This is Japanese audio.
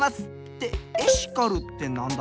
ってエシカルってなんだ？